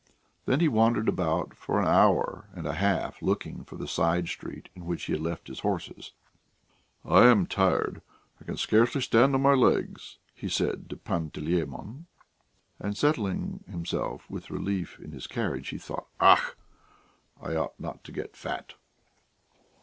Then he wandered about for an hour and a half, looking for the side street in which he had left his horses. "I am tired; I can scarcely stand on my legs," he said to Panteleimon. And settling himself with relief in his carriage, he thought: "Och! I ought not to get fat!"